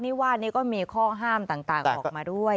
นี่วาดนี่ก็มีข้อห้ามต่างออกมาด้วย